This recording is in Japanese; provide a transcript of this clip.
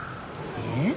えっ？